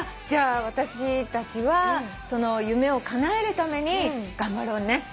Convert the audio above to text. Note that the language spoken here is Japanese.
じゃあ私たちはその夢をかなえるために頑張ろうね。